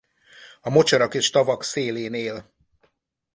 A mocsarak és tavak szélén él.